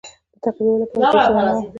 د تعقیبولو لپاره جوړ شوی نه وو.